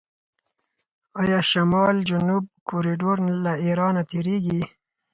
آیا شمال جنوب کوریډور له ایران نه تیریږي؟